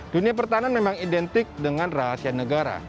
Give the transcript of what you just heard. dunia pertahanan memang identik dengan rahasia negara